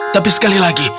tapi sekali lagi